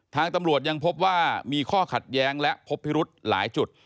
ทางตำรวจยังพบว่ามีข้อขัดแย้งและพบพิรุธหลายจุด